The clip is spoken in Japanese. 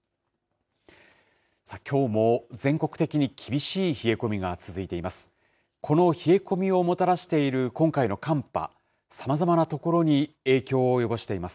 きょうも全国的に厳しい冷え込みが続いています。